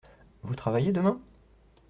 Vous travaillez demain ?